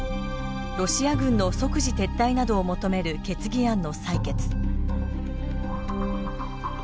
ロシア軍の即時撤退などを求める決議案の採決。